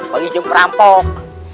pangis jeng perampok